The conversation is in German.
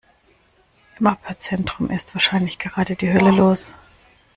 Im Abhörzentrum ist wahrscheinlich gerade die Hölle los.